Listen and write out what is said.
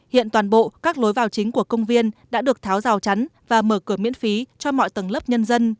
hiện toàn bộ các lối vào chính của công viên đã được tháo rào chắn và mở cửa miễn phí cho mọi tầng lớp nhân dân